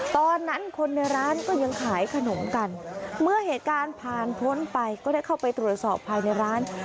ตอนนั้นคนในร้านก็ยังขายขนมกันเมื่อเหตุการณ์ผ่านพ้นไปก็ได้เข้าไปตรวจสอบภายในร้าน